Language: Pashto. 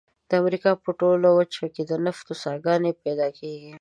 د امریکا په ټوله وچه کې د نفتو څاګانې پیدا کیږي.